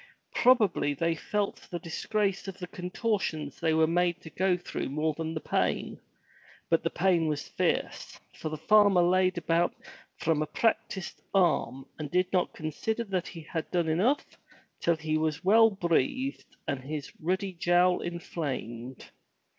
Probably they felt the disgrace of the contortions they were made to go through more than the pain, but the pain was fierce, for the farmer laid about from a practiced arm and did not con sider that he had done enough till he was well breathed and his ruddy jowl inflamed.